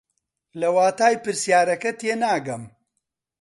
لە واتای پرسیارەکە تێناگەم.